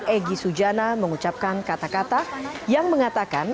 egy sujana mengucapkan kata kata yang mengatakan